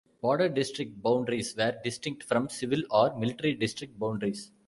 Border district boundaries were distinct from civil or military district boundaries.